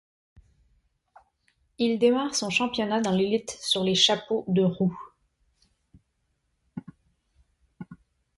Il démarre son championnat dans l'élite sur les chapeaux de roues.